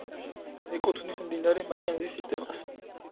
ეკუთვნის მდინარე მაკენზის სისტემას.